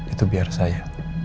itu biar saya